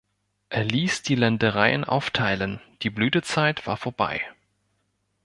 Er ließ die Ländereien aufteilen, die Blütezeit war vorbei.